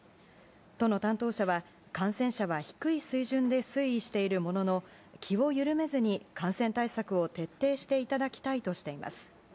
都の担当者は、感染者は低い水準で推移しているものの気を緩めずに感染対策を徹底していただきたいとしています。